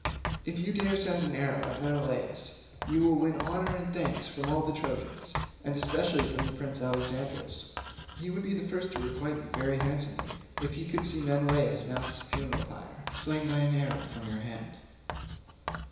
If you dare send an arrow at Menelaus you will win honour and thanks from all the Trojans, and especially from prince Alexandrus—he would be the first to requite you very handsomely if he could see Menelaus mount his funeral pyre, slain by an arrow from your hand.